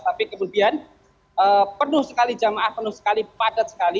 tapi kemudian penuh sekali jamaah penuh sekali padat sekali